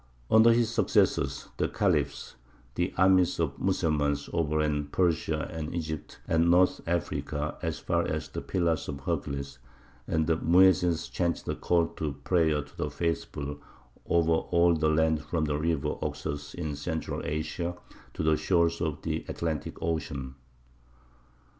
Under his successors the Khalifs, the armies of the Mussulmans overran Persia and Egypt and North Africa as far as the Pillars of Hercules; and the Muezzins chanted the Call to Prayer to the Faithful over all the land from the river Oxus in Central Asia to the shores of the Atlantic Ocean.